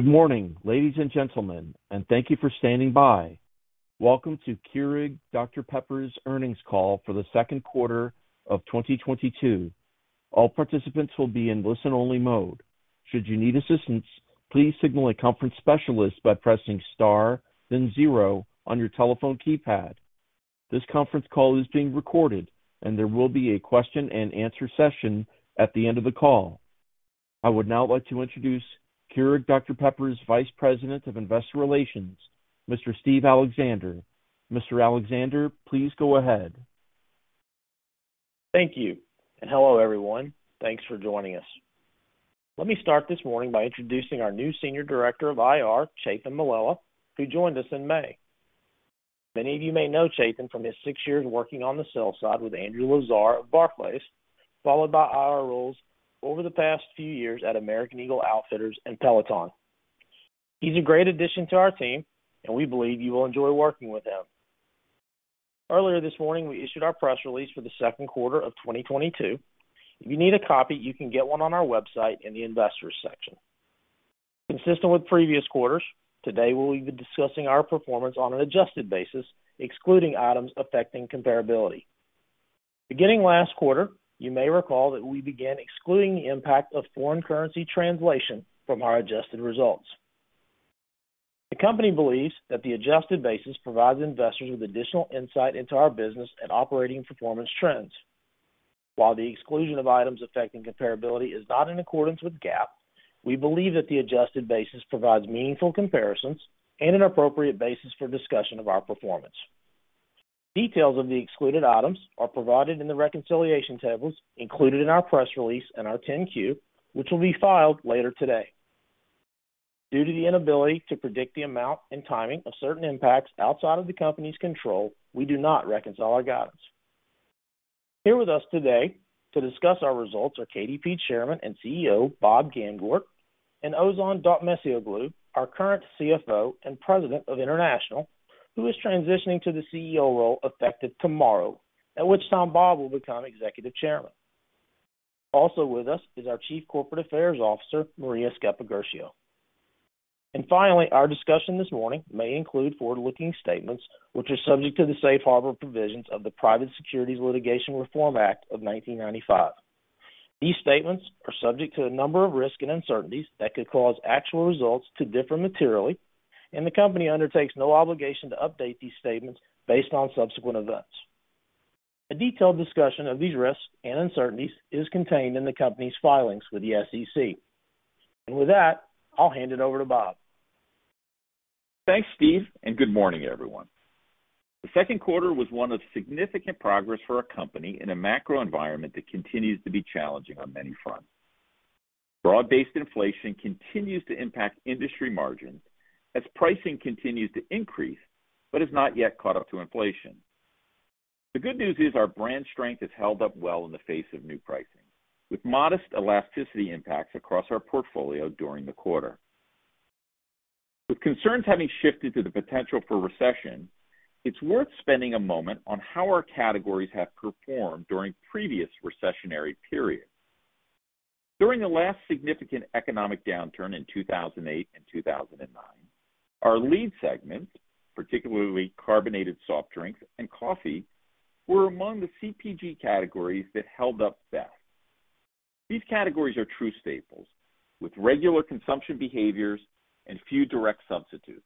Good morning, ladies and gentlemen, and thank you for standing by. Welcome to Keurig Dr Pepper's Earnings Call for the Second Quarter of 2022. All participants will be in listen-only mode. Should you need assistance, please signal a conference specialist by pressing star, then zero on your telephone keypad. This conference call is being recorded, and there will be a question-and-answer session at the end of the call. I would now like to introduce Keurig Dr Pepper's Vice President of Investor Relations, Mr. Steve Alexander. Mr. Alexander, please go ahead. Thank you. Hello, everyone. Thanks for joining us. Let me start this morning by introducing our new Senior Director of IR, Chethan Mallela, who joined us in May. Many of you may know Chethan from his six years working on the sales side with Andrew Lazar at Barclays, followed by IR roles over the past few years at American Eagle Outfitters and Peloton. He's a great addition to our team, and we believe you will enjoy working with him. Earlier this morning, we issued our press release for the second quarter of 2022. If you need a copy, you can get one on our website in the Investors section. Consistent with previous quarters, today we will be discussing our performance on an adjusted basis, excluding items affecting comparability. Beginning last quarter, you may recall that we began excluding the impact of foreign currency translation from our adjusted results. The company believes that the adjusted basis provides investors with additional insight into our business and operating performance trends. While the exclusion of items affecting comparability is not in accordance with GAAP, we believe that the adjusted basis provides meaningful comparisons and an appropriate basis for discussion of our performance. Details of the excluded items are provided in the reconciliation tables included in our press release and our 10-Q, which will be filed later today. Due to the inability to predict the amount and timing of certain impacts outside of the company's control, we do not reconcile our guidance. Here with us today to discuss our results are KDP Chairman and CEO, Bob Gamgort, and Ozan Dokmecioglu, our current CFO and President of International, who is transitioning to the CEO role effective tomorrow, at which time Bob will become Executive Chairman. Also with us is our Chief Corporate Affairs Officer, Maria Sceppaguercio. Finally, our discussion this morning may include forward-looking statements, which are subject to the safe harbor provisions of the Private Securities Litigation Reform Act of 1995. These statements are subject to a number of risks and uncertainties that could cause actual results to differ materially, and the company undertakes no obligation to update these statements based on subsequent events. A detailed discussion of these risks and uncertainties is contained in the company's filings with the SEC. With that, I'll hand it over to Bob. Thanks, Steve, and good morning, everyone. The second quarter was one of significant progress for our company in a macro environment that continues to be challenging on many fronts. Broad-based inflation continues to impact industry margins as pricing continues to increase, but has not yet caught up to inflation. The good news is our brand strength has held up well in the face of new pricing, with modest elasticity impacts across our portfolio during the quarter. With concerns having shifted to the potential for recession, it's worth spending a moment on how our categories have performed during previous recessionary periods. During the last significant economic downturn in 2008 and 2009, our lead segments, particularly carbonated soft drinks and coffee, were among the CPG categories that held up best. These categories are true staples, with regular consumption behaviors and few direct substitutes,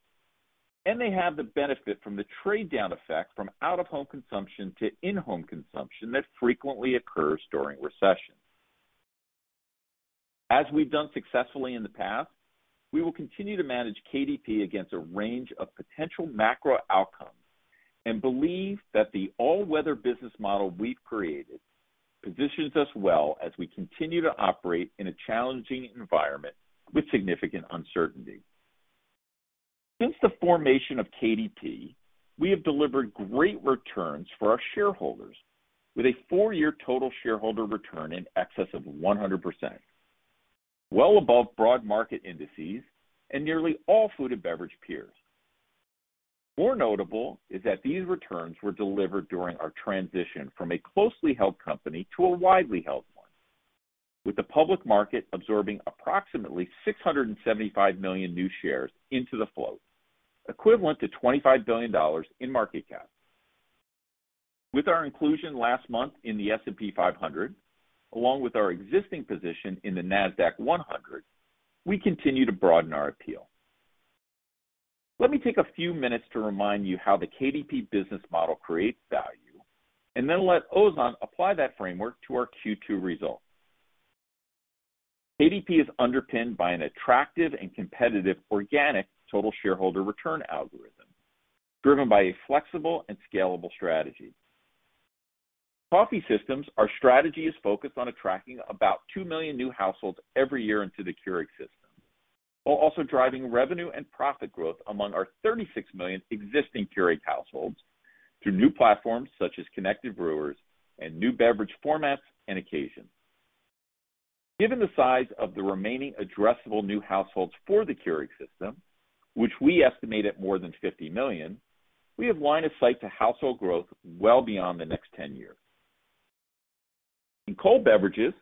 and they have the benefit from the trade down effect from out-of-home consumption to in-home consumption that frequently occurs during recessions. As we've done successfully in the past, we will continue to manage KDP against a range of potential macro outcomes and believe that the all-weather business model we've created positions us well as we continue to operate in a challenging environment with significant uncertainty. Since the formation of KDP, we have delivered great returns for our shareholders with a four-year total shareholder return in excess of 100%, well above broad market indices and nearly all food and beverage peers. More notable is that these returns were delivered during our transition from a closely held company to a widely held one, with the public market absorbing approximately 675 million new shares into the float, equivalent to $25 billion in market cap. With our inclusion last month in the S&P 500, along with our existing position in the NASDAQ-100, we continue to broaden our appeal. Let me take a few minutes to remind you how the KDP business model creates value and then let Ozan apply that framework to our Q2 results. KDP is underpinned by an attractive and competitive organic total shareholder return algorithm driven by a flexible and scalable strategy. Coffee systems, our strategy is focused on attracting about 2 million new households every year into the Keurig system, while also driving revenue and profit growth among our 36 million existing Keurig households through new platforms such as connected brewers and new beverage formats and occasions. Given the size of the remaining addressable new households for the Keurig system, which we estimate at more than 50 million, we have line of sight to household growth well beyond the next 10 years. In cold beverages,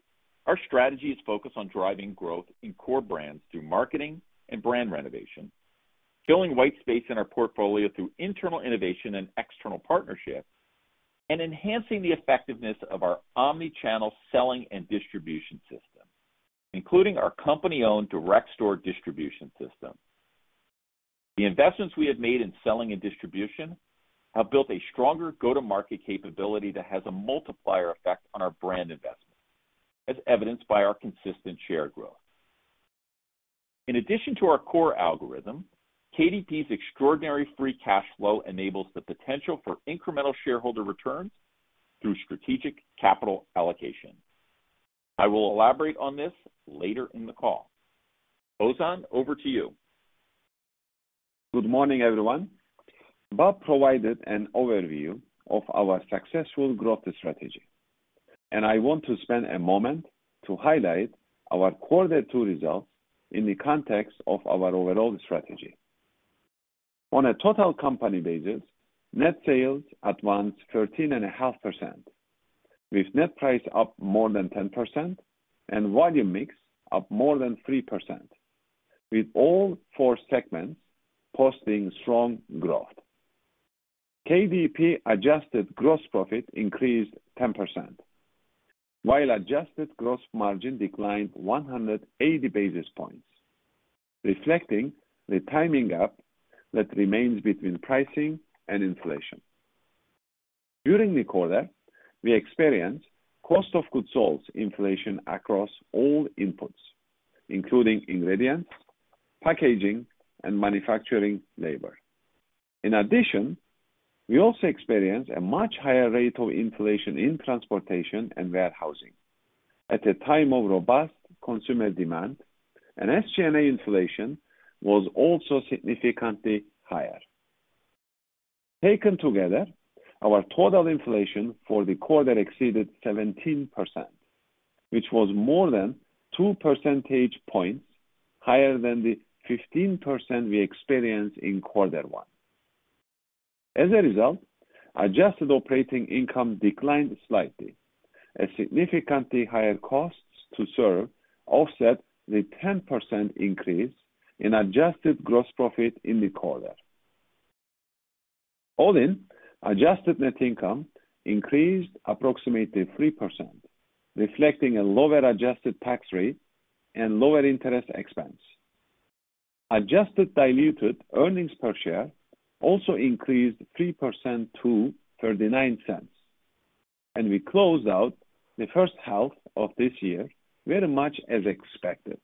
our strategy is focused on driving growth in core brands through marketing and brand renovation, filling white space in our portfolio through internal innovation and external partnerships, and enhancing the effectiveness of our omni-channel selling and distribution system, including our company-owned direct store delivery system. The investments we have made in selling and distribution have built a stronger go-to-market capability that has a multiplier effect on our brand investment, as evidenced by our consistent share growth. In addition to our core algorithm, KDP's extraordinary free cash flow enables the potential for incremental shareholder returns through strategic capital allocation. I will elaborate on this later in the call. Ozan, over to you. Good morning, everyone. Bob provided an overview of our successful growth strategy, and I want to spend a moment to highlight our Quarter Two results in the context of our overall strategy. On a total company basis, net sales advanced 13.5%, with net price up more than 10% and volume mix up more than 3%, with all four segments posting strong growth. KDP adjusted gross profit increased 10%, while adjusted gross margin declined 180 basis points, reflecting the timing gap that remains between pricing and inflation. During the quarter, we experienced cost of goods sold inflation across all inputs, including ingredients, packaging, and manufacturing labor. In addition, we also experienced a much higher rate of inflation in transportation and warehousing at a time of robust consumer demand, and SG&A inflation was also significantly higher. Taken together, our total inflation for the quarter exceeded 17%, which was more than two percentage points higher than the 15% we experienced in Quarter One. As a result, adjusted operating income declined slightly as significantly higher costs to serve offset the 10% increase in adjusted gross profit in the quarter. All in, adjusted net income increased approximately 3%, reflecting a lower adjusted tax rate and lower interest expense. Adjusted diluted earnings per share also increased 3% to $0.39, and we closed out the first half of this year very much as expected.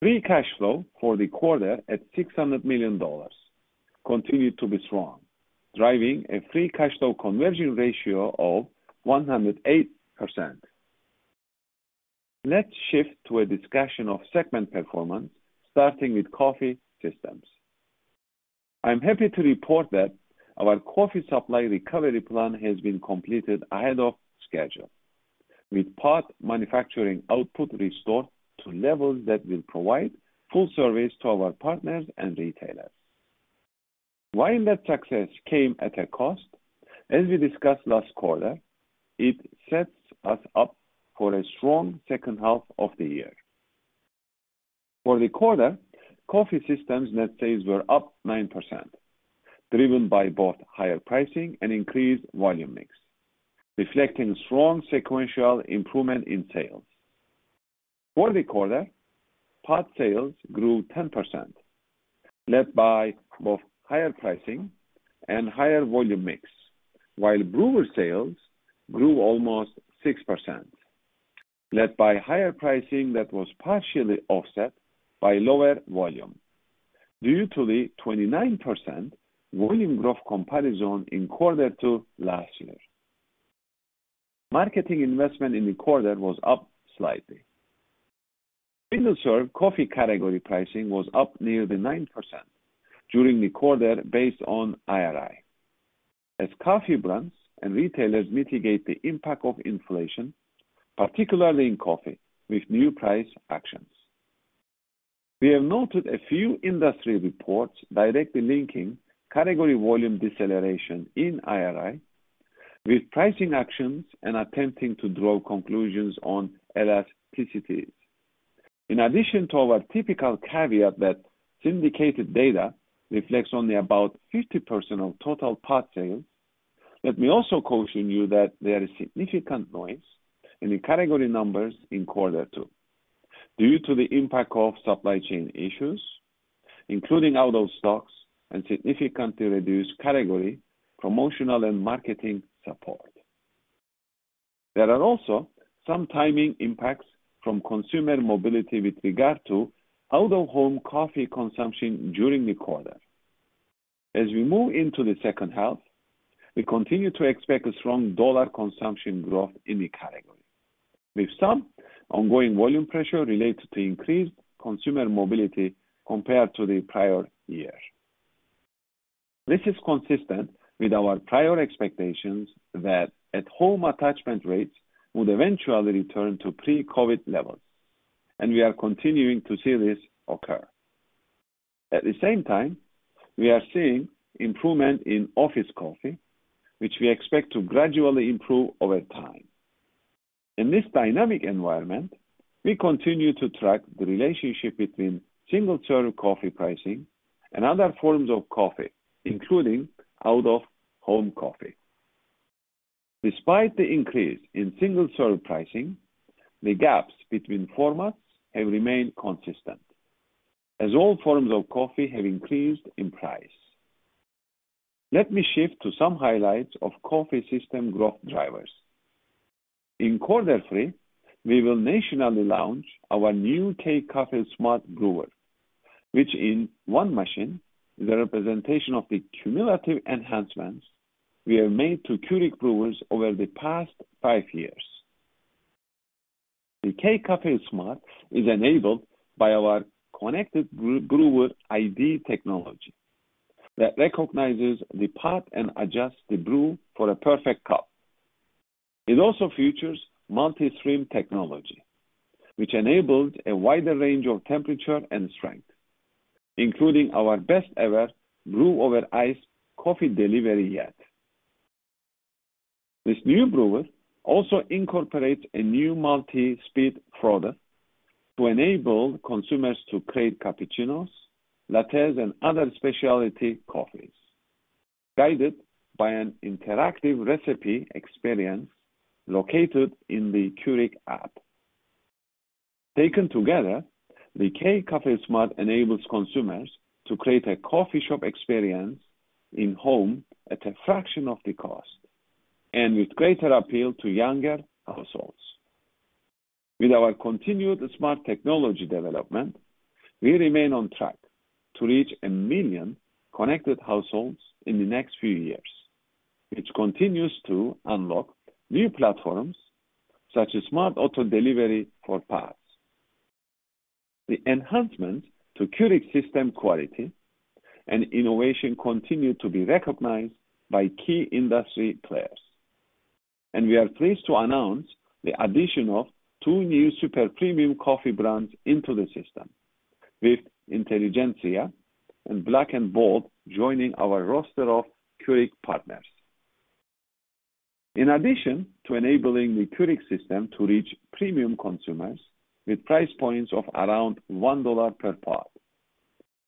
Free cash flow for the quarter at $600 million continued to be strong, driving a free cash flow conversion ratio of 108%. Let's shift to a discussion of segment performance, starting with coffee systems. I'm happy to report that our coffee supply recovery plan has been completed ahead of schedule, with pod manufacturing output restored to levels that will provide full service to our partners and retailers. While that success came at a cost, as we discussed last quarter, it sets us up for a strong second half of the year. For the quarter, coffee systems net sales were up 9%, driven by both higher pricing and increased volume mix, reflecting strong sequential improvement in sales. For the quarter, pod sales grew 10%, led by both higher pricing and higher volume mix, while brewer sales grew almost 6%, led by higher pricing that was partially offset by lower volume due to the 29% volume growth comparison in quarter two last year. Marketing investment in the quarter was up slightly. Single-serve coffee category pricing was up nearly 9% during the quarter based on IRI as coffee brands and retailers mitigate the impact of inflation, particularly in coffee, with new price actions. We have noted a few industry reports directly linking category volume deceleration in IRI with pricing actions and attempting to draw conclusions on elasticities. In addition to our typical caveat that syndicated data reflects only about 50% of total pod sales, let me also caution you that there is significant noise in the category numbers in Quarter Two due to the impact of supply chain issues, including out-of-stocks and significantly reduced category promotional and marketing support. There are also some timing impacts from consumer mobility with regard to out-of-home coffee consumption during the quarter. As we move into the second half, we continue to expect a strong dollar consumption growth in the category, with some ongoing volume pressure related to increased consumer mobility compared to the prior year. This is consistent with our prior expectations that at-home attachment rates would eventually return to pre-COVID levels, and we are continuing to see this occur. At the same time, we are seeing improvement in office coffee, which we expect to gradually improve over time. In this dynamic environment, we continue to track the relationship between single-serve coffee pricing and other forms of coffee, including out-of-home coffee. Despite the increase in single-serve pricing, the gaps between formats have remained consistent as all forms of coffee have increased in price. Let me shift to some highlights of coffee system growth drivers. In quarter three, we will nationally launch our new K-Café SMART Brewer, which in one machine is a representation of the cumulative enhancements we have made to Keurig brewers over the past five years. The K-Café SMART is enabled by our connected BrewID technology that recognizes the pod and adjusts the brew for a perfect cup. It also features multi-stream technology, which enables a wider range of temperature and strength, including our best ever brew over ice coffee delivery yet. This new brewer also incorporates a new multi-speed Frother to enable consumers to create cappuccinos, lattes, and other specialty coffees, guided by an interactive recipe experience located in the Keurig app. Taken together, the K-Café SMART enables consumers to create a coffee shop experience at home at a fraction of the cost, and with greater appeal to younger households. With our continued smart technology development, we remain on track to reach 1 million connected households in the next few years, which continues to unlock new platforms such as smart auto delivery for pods. The enhancements to Keurig system quality and innovation continue to be recognized by key industry players. We are pleased to announce the addition of two new super premium coffee brands into the system with Intelligentsia and BLK & Bold joining our roster of Keurig partners. In addition to enabling the Keurig system to reach premium consumers with price points of around $1 per pod,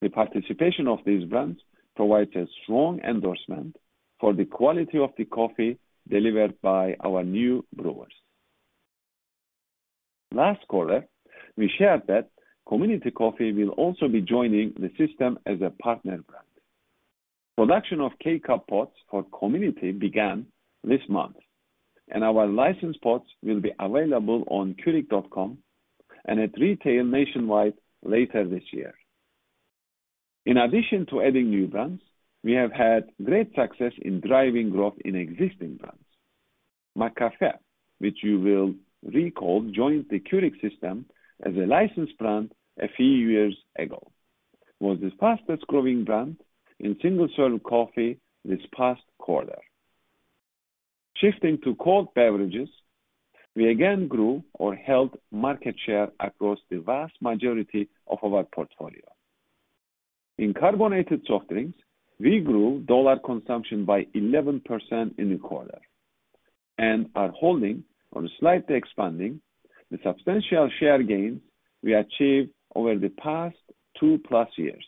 the participation of these brands provides a strong endorsement for the quality of the coffee delivered by our new brewers. Last quarter, we shared that Community Coffee will also be joining the system as a partner brand. Production of K-Cup pods for Community began this month, and our licensed pods will be available on keurig.com and at retail nationwide later this year. In addition to adding new brands, we have had great success in driving growth in existing brands. McCafé, which you will recall joined the Keurig system as a licensed brand a few years ago, was the fastest-growing brand in single-serve coffee this past quarter. Shifting to cold beverages, we again grew or held market share across the vast majority of our portfolio. In carbonated soft drinks, we grew dollar consumption by 11% in the quarter and are holding or slightly expanding the substantial share gains we achieved over the past two-plus years.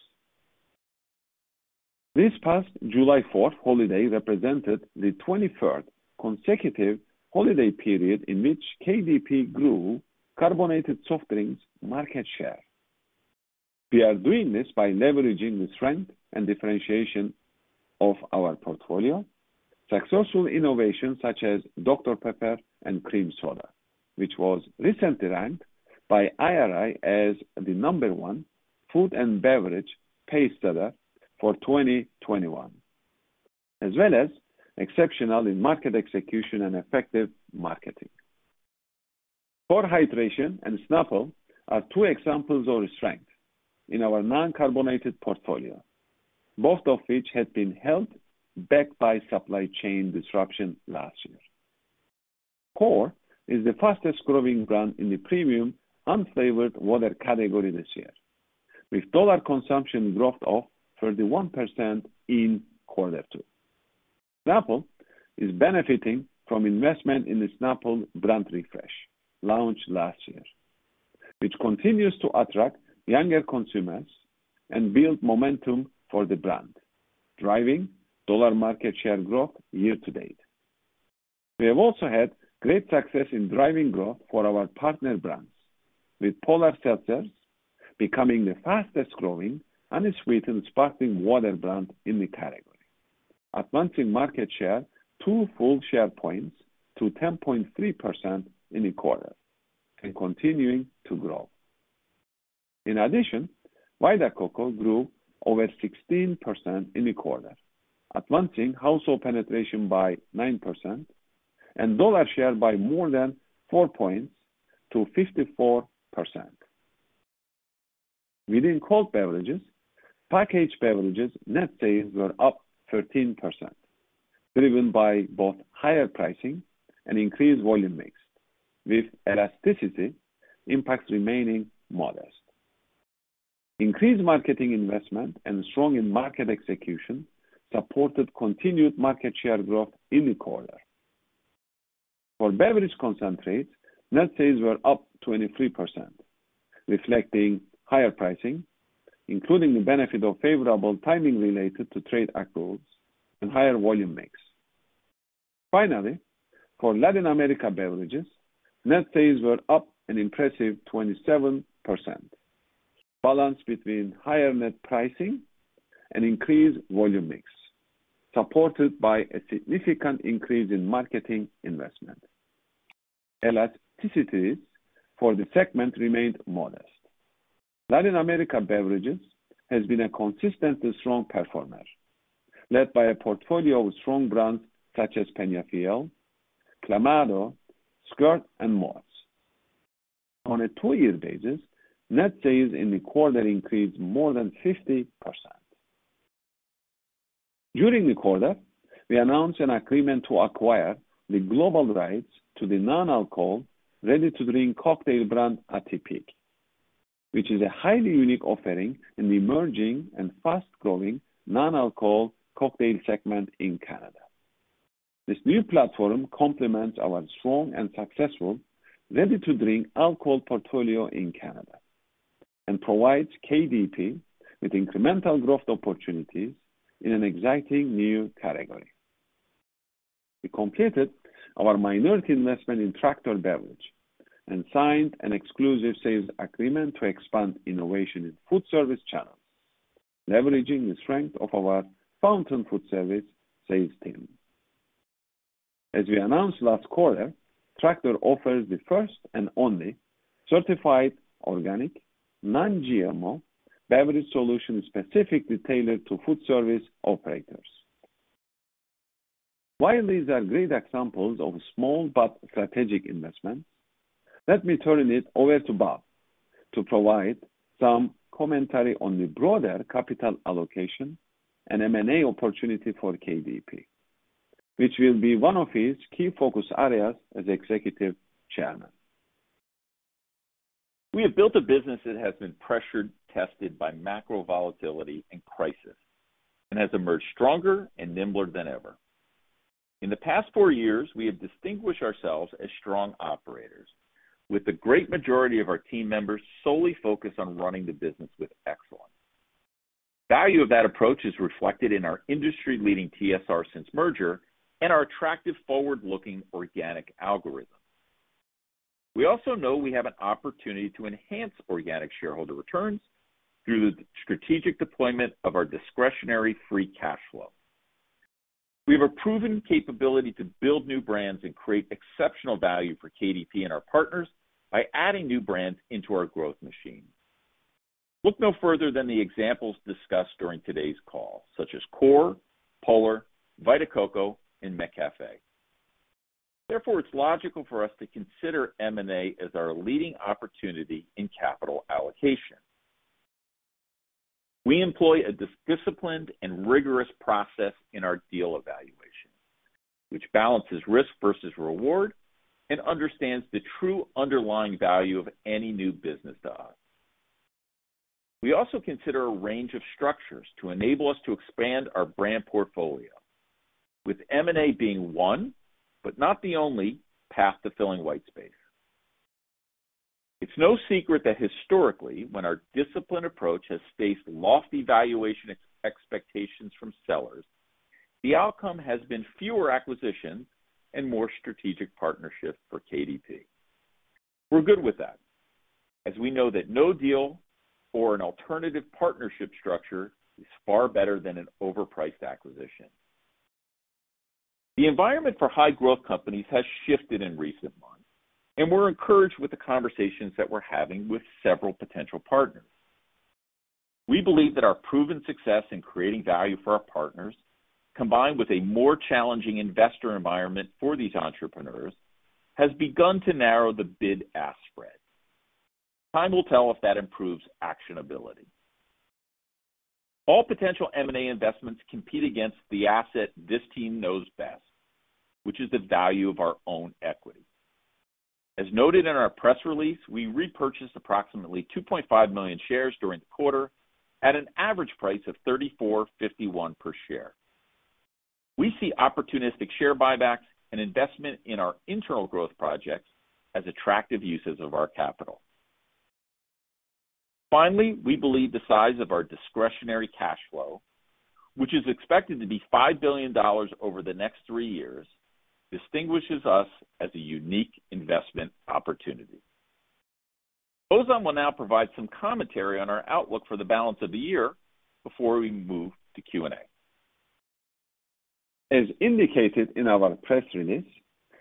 This past July 4th holiday represented the 23rd consecutive holiday period in which KDP grew carbonated soft drinks market share. We are doing this by leveraging the strength and differentiation of our portfolio. Successful innovations such as Dr Pepper & Cream Soda, which was recently ranked by IRI as the number one food and beverage pacesetter for 2021, as well as exceptional in market execution and effective marketing. Core Hydration and Snapple are two examples of strength in our non-carbonated portfolio, both of which had been held back by supply chain disruption last year. Core is the fastest-growing brand in the premium unflavored water category this year, with dollar consumption growth of 31% in quarter two. Snapple is benefiting from investment in the Snapple brand refresh launched last year, which continues to attract younger consumers and build momentum for the brand, driving dollar market share growth year to date. We have also had great success in driving growth for our partner brands, with Polar Seltzer becoming the fastest-growing unsweetened sparkling water brand in the category, advancing market share two full share points to 10.3% in the quarter and continuing to grow. In addition, Vita Coco grew over 16% in the quarter, advancing household penetration by 9% and dollar share by more than 4 points to 54%. Within cold beverages, Packaged Beverages net sales were up 13%. Driven by both higher pricing and increased volume mix, with elasticity impacts remaining modest. Increased marketing investment and strong in-market execution supported continued market share growth in the quarter. For beverage concentrates, net sales were up 23%, reflecting higher pricing, including the benefit of favorable timing related to trade accruals and higher volume mix. Finally, for Latin America beverages, net sales were up an impressive 27% balanced between higher net pricing and increased volume mix, supported by a significant increase in marketing investment. Elasticity for the segment remained modest. Latin America beverages has been a consistently strong performer, led by a portfolio of strong brands such as Peñafiel, Clamato, Squirt, and more. On a two-year basis, net sales in the quarter increased more than 50%. During the quarter, we announced an agreement to acquire the global rights to the non-alcoholic ready-to-drink cocktail brand Atypique, which is a highly unique offering in the emerging and fast-growing non-alcoholic cocktail segment in Canada. This new platform complements our strong and successful ready-to-drink alcohol portfolio in Canada and provides KDP with incremental growth opportunities in an exciting new category. We completed our minority investment in Tractor Beverage and signed an exclusive sales agreement to expand innovation in food service channels, leveraging the strength of our Fountain Foodservice sales team. As we announced last quarter, Tractor offers the first and only certified organic non-GMO beverage solution specifically tailored to food service operators. While these are great examples of small but strategic investments, let me turn it over to Bob to provide some commentary on the broader capital allocation and M&A opportunity for KDP, which will be one of his key focus areas as executive chairman. We have built a business that has been pressure tested by macro volatility and crisis and has emerged stronger and nimbler than ever. In the past four years, we have distinguished ourselves as strong operators with the great majority of our team members solely focused on running the business with excellence. Value of that approach is reflected in our industry-leading TSR since merger and our attractive forward-looking organic algorithm. We also know we have an opportunity to enhance organic shareholder returns through the strategic deployment of our discretionary free cash flow. We have a proven capability to build new brands and create exceptional value for KDP and our partners by adding new brands into our growth machine. Look no further than the examples discussed during today's call, such as Core, Polar, Vita Coco, and McCafé. Therefore, it's logical for us to consider M&A as our leading opportunity in capital allocation. We employ a disciplined and rigorous process in our deal evaluation, which balances risk versus reward and understands the true underlying value of any new business to us. We also consider a range of structures to enable us to expand our brand portfolio, with M&A being one, but not the only, path to filling white space. It's no secret that historically, when our disciplined approach has faced lofty valuation expectations from sellers, the outcome has been fewer acquisitions and more strategic partnerships for KDP. We're good with that, as we know that no deal or an alternative partnership structure is far better than an overpriced acquisition. The environment for high-growth companies has shifted in recent months, and we're encouraged with the conversations that we're having with several potential partners. We believe that our proven success in creating value for our partners, combined with a more challenging investor environment for these entrepreneurs, has begun to narrow the bid-ask spread. Time will tell if that improves actionability. All potential M&A investments compete against the asset this team knows best, which is the value of our own equity. As noted in our press release, we repurchased approximately 2.5 million shares during the quarter at an average price of $34.51 per share. We see opportunistic share buybacks and investment in our internal growth projects as attractive uses of our capital. Finally, we believe the size of our discretionary cash flow, which is expected to be $5 billion over the next three years, distinguishes us as a unique investment opportunity. Ozan will now provide some commentary on our outlook for the balance of the year before we move to Q&A. As indicated in our press release,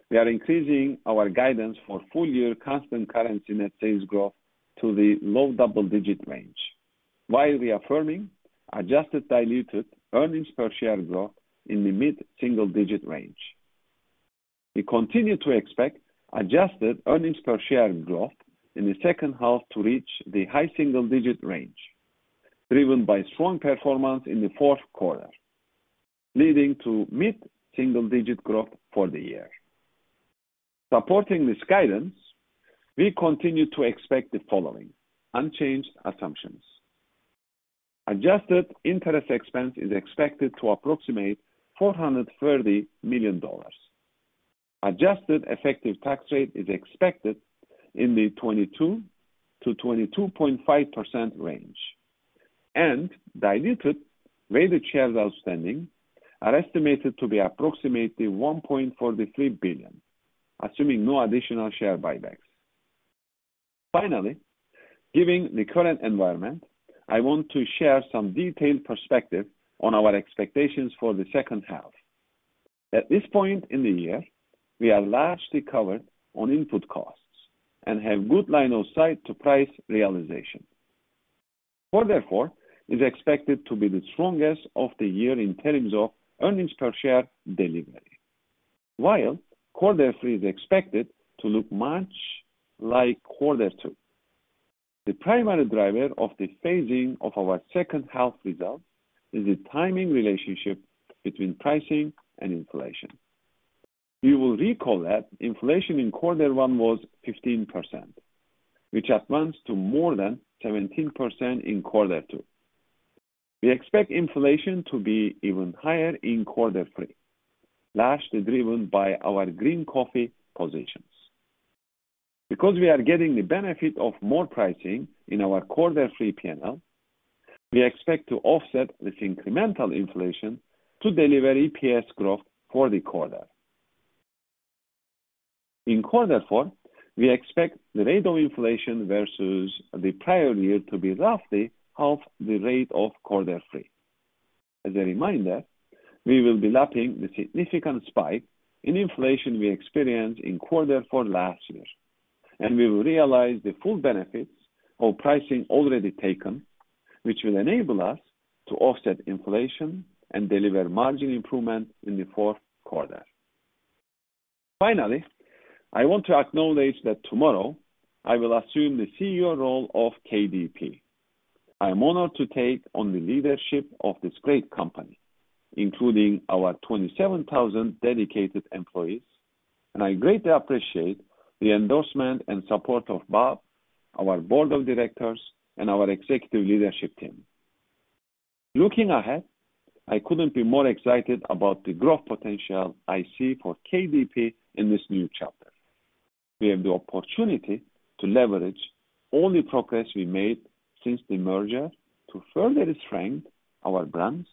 we are increasing our guidance for full-year constant currency net sales growth to the low double-digit range, while we are affirming adjusted diluted earnings per share growth in the mid-single digit range. We continue to expect adjusted earnings per share growth in the second half to reach the high single digit range, driven by strong performance in the fourth quarter, leading to mid-single digit growth for the year. Supporting this guidance, we continue to expect the following unchanged assumptions. Adjusted interest expense is expected to approximate $430 million. Adjusted effective tax rate is expected in the 22%-22.5% range, and diluted weighted shares outstanding are estimated to be approximately 1.43 billion, assuming no additional share buybacks. Finally, given the current environment, I want to share some detailed perspective on our expectations for the second half. At this point in the year, we are largely covered on input costs and have good line of sight to price realization. Quarter four is expected to be the strongest of the year in terms of earnings per share delivery, while quarter three is expected to look much like quarter two. The primary driver of the phasing of our second half results is the timing relationship between pricing and inflation. You will recall that inflation in quarter one was 15%, which advanced to more than 17% in quarter two. We expect inflation to be even higher in quarter three, largely driven by our green coffee positions. Because we are getting the benefit of more pricing in our quarter three PNL, we expect to offset this incremental inflation to deliver EPS growth for the quarter. In quarter four, we expect the rate of inflation versus the prior year to be roughly half the rate of quarter three. As a reminder, we will be lapping the significant spike in inflation we experienced in quarter four last year, and we will realize the full benefits of pricing already taken, which will enable us to offset inflation and deliver margin improvement in the fourth quarter. Finally, I want to acknowledge that tomorrow I will assume the CEO role of KDP. I am honored to take on the leadership of this great company, including our 27,000 dedicated employees, and I greatly appreciate the endorsement and support of Bob, our board of directors, and our executive leadership team. Looking ahead, I couldn't be more excited about the growth potential I see for KDP in this new chapter. We have the opportunity to leverage all the progress we made since the merger to further strengthen our brands,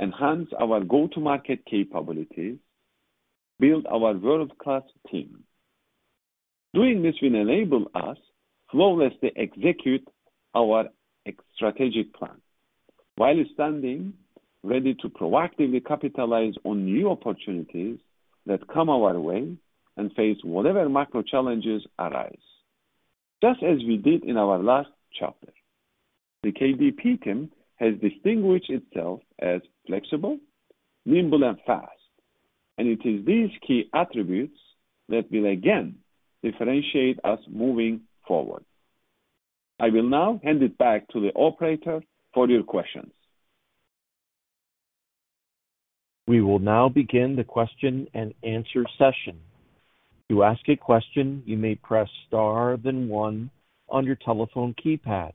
enhance our go-to-market capabilities, build our world-class team. Doing this will enable us flawlessly execute our strategic plan while standing ready to proactively capitalize on new opportunities that come our way and face whatever macro challenges arise. Just as we did in our last chapter, the KDP team has distinguished itself as flexible, nimble, and fast, and it is these key attributes that will again differentiate us moving forward. I will now hand it back to the operator for your questions. We will now begin the question-and-answer session. To ask a question, you may press star then one on your telephone keypad.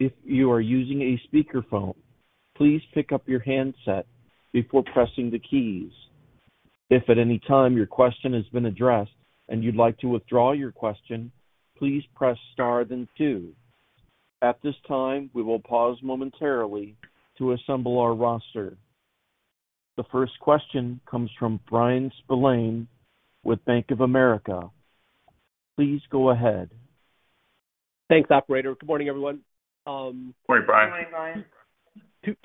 If you are using a speakerphone, please pick up your handset before pressing the keys. If at any time your question has been addressed and you'd like to withdraw your question, please press star then two. At this time, we will pause momentarily to assemble our roster. The first question comes from Bryan Spillane with Bank of America. Please go ahead. Thanks, operator. Good morning, everyone. Good morning, Bryan. Good morning, Bryan.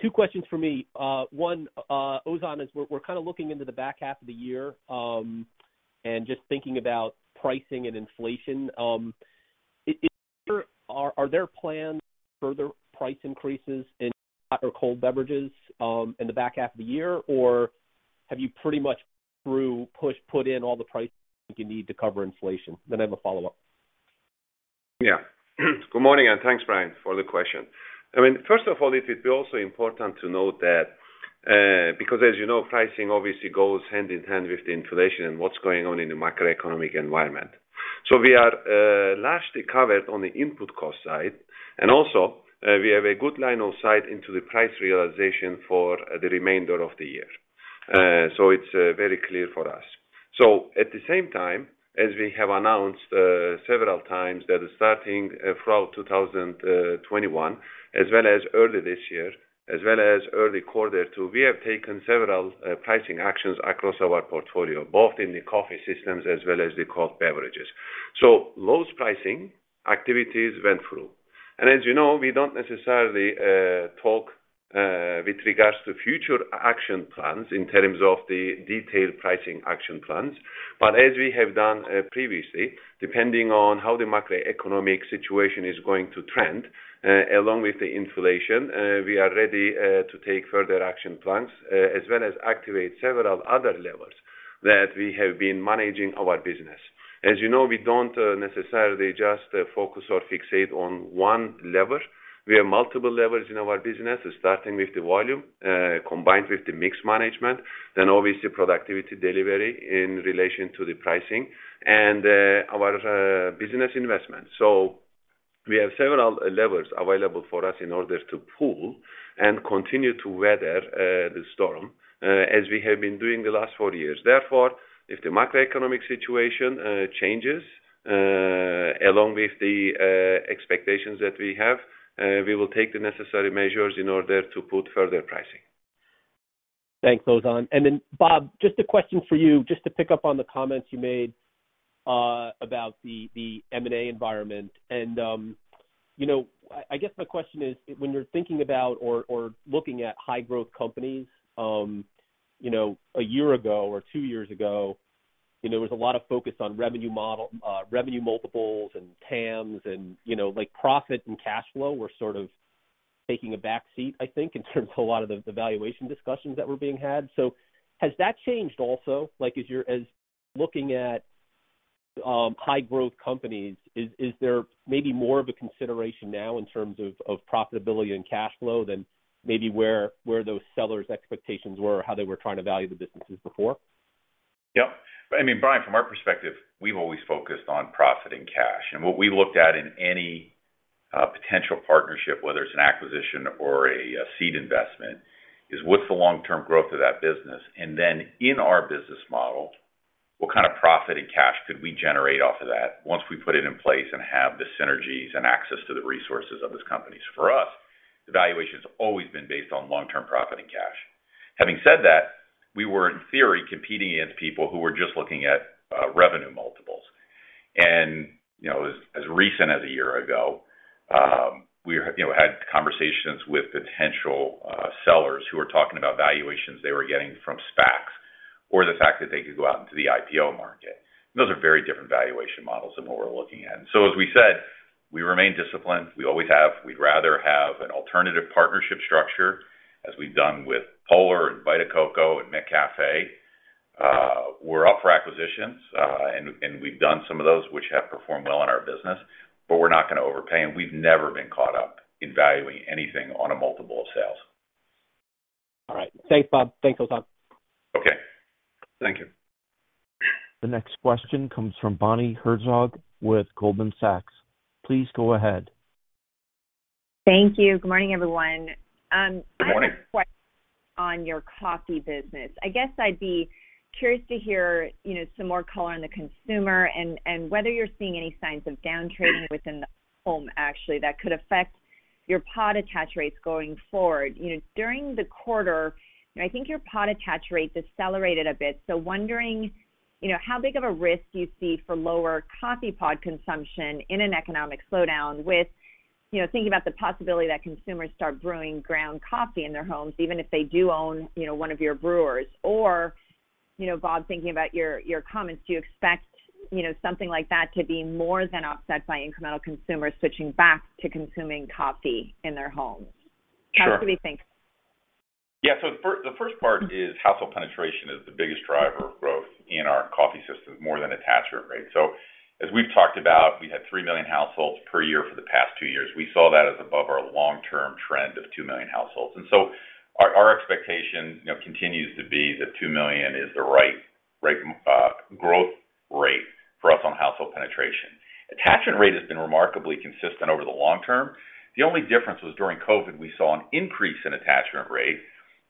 Two questions for me. One, Ozan, as we're kind of looking into the back half of the year and just thinking about pricing and inflation, are there plans for further price increases in hot or cold beverages in the back half of the year? Or have you pretty much put in all the price you need to cover inflation? I have a follow-up. Yes. Good morning, and thanks, Bryan, for the question. I mean, first of all, it would be also important to note that, because as you know, pricing obviously goes hand in hand with inflation and what's going on in the macroeconomic environment. We are largely covered on the input cost side, and also, we have a good line of sight into the price realization for the remainder of the year. It's very clear for us. At the same time, as we have announced several times that starting throughout 2021 as well as early this year, as well as early quarter two, we have taken several pricing actions across our portfolio, both in the coffee systems as well as the cold beverages. Those pricing activities went through. As you know, we don't necessarily talk with regards to future action plans in terms of the detailed pricing action plans. As we have done previously, depending on how the macroeconomic situation is going to trend along with the inflation, we are ready to take further action plans as well as activate several other levers. That we have been managing our business. As you know, we don't necessarily just focus or fixate on one lever. We have multiple levers in our business, starting with the volume, combined with the mix management, then obviously productivity delivery in relation to the pricing and, our business investment. We have several levers available for us in order to pull and continue to weather, the storm, as we have been doing the last four years. Therefore, if the macroeconomic situation changes, along with the, expectations that we have, we will take the necessary measures in order to put further pricing. Thanks, Ozan. Then, Bob, just a question for you, just to pick up on the comments you made about the M&A environment. You know, I guess my question is, when you're thinking about or looking at high growth companies, you know, a year ago or two years ago, you know, there was a lot of focus on revenue multiples and TAMs and, you know, like, profit and cash flow were sort of taking a back seat, I think, in terms of a lot of the valuation discussions that were being had. Has that changed also? Like, as you're looking at high growth companies, is there maybe more of a consideration now in terms of profitability and cash flow than maybe where those sellers' expectations were or how they were trying to value the businesses before? Yes. I mean, Bryan, from our perspective, we've always focused on profit and cash. What we looked at in any potential partnership, whether it's an acquisition or a seed investment, is what's the long-term growth of that business. Then in our business model, what kind of profit and cash could we generate off of that once we put it in place and have the synergies and access to the resources of those companies. For us, the valuation has always been based on long-term profit and cash. Having said that, we were, in theory, competing against people who were just looking at revenue multiples. You know, as recent as a year ago, we had conversations with potential sellers who are talking about valuations they were getting from SPACs or the fact that they could go out into the IPO market. Those are very different valuation models than what we're looking at. As we said, we remain disciplined. We always have. We'd rather have an alternative partnership structure, as we've done with Polar and Vita Coco and McCafé. We're up for acquisitions, and we've done some of those which have performed well in our business, but we're not gonna overpay, and we've never been caught up in valuing anything on a multiple of sales. All right. Thanks, Bob. Thanks, Ozan. Okay. Thank you. The next question comes from Bonnie Herzog with Goldman Sachs. Please go ahead. Thank you. Good morning, everyone. Good morning. I have a question on your coffee business. I guess I'd be curious to hear, you know, some more color on the consumer and whether you're seeing any signs of downtrending within the home, actually, that could affect your pod attach rates going forward. You know, during the quarter, you know, I think your pod attach rate decelerated a bit. So wondering, you know, how big of a risk you see for lower coffee pod consumption in an economic slowdown with, you know, thinking about the possibility that consumers start brewing ground coffee in their homes, even if they do own, you know, one of your brewers. Or, you know, Bob, thinking about your comments, do you expect, you know, something like that to be more than offset by incremental consumers switching back to consuming coffee in their homes? Sure. How should we think? Yeah. The first part is household penetration is the biggest driver of growth in our coffee system, more than attachment rate. As we've talked about, we had 3 million households per year for the past two years. We saw that as above our long-term trend of 2 million households. Our expectation, you know, continues to be that 2 million is the right growth rate for us on household penetration. Attachment rate has been remarkably consistent over the long term. The only difference was during COVID, we saw an increase in attachment rate